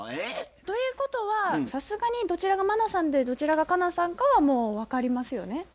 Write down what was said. え？ということはさすがにどちらが茉奈さんでどちらが佳奈さんかはもう分かりますよね？